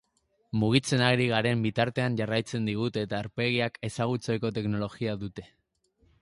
Mugitzen ari garen bitartean jarraitzen digute eta aurpegiak ezagutzeko teknologia dute.